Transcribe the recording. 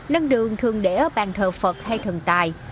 lân đường thường để ở bàn thờ phật hay thần tài